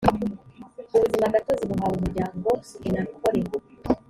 ubuzimagatozi buhawe umuryango enhakkore